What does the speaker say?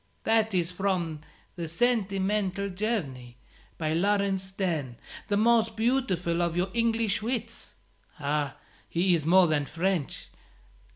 "That is from the 'Sentimental Journey,' by Laurence Sterne, the most beautiful of your English wits. Ah, he is more than French!